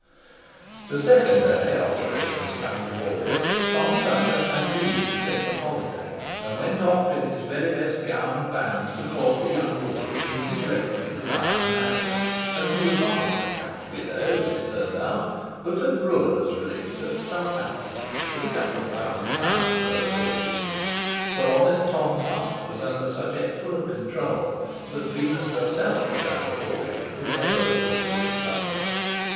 The second day after Esmond's coming to Walcote, Tom Tusher had leave to take a holiday, and went off in his very best gown and bands to court the young woman whom his Reverence desired to marry, and who was not a viscount's widow, as it turned out, but a brewer's relict at Southampton, with a couple of thousand pounds to her fortune: for honest Tom's heart was under such excellent control, that Venus herself without a portion would never have caused it to flutter.